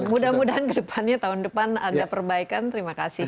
mudah mudahan kedepannya tahun depan ada perbaikan terima kasih